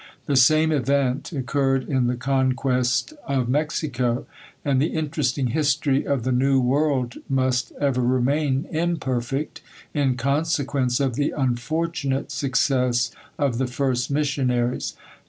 The same event occurred in the conquest of Mexico; and the interesting history of the New World must ever remain imperfect, in consequence of the unfortunate success of the first missionaries.